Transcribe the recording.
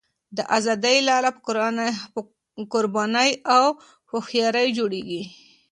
د ازادۍ لاره په قربانۍ او هوښیارۍ جوړېږي.